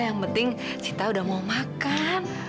yang penting cita udah mau makan